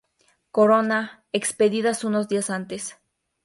Corona, expedidas unos días antes.